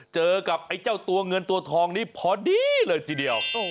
เจอกับไอ้เจ้าตัวเงินตัวทองนี้พอดีเลยทีเดียว